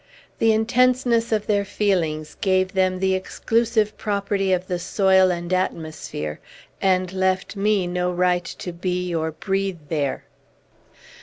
The intenseness of their feelings gave them the exclusive property of the soil and atmosphere, and left me no right to be or breathe there.